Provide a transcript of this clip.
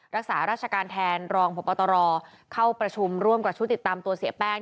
รักษาราชการแทนรองพบตรเข้าประชุมร่วมกับชุดติดตามตัวเสียแป้ง